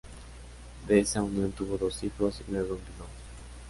De esa unión tuvo dos hijos, y luego enviudó.